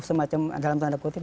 semacam dalam tanda kutip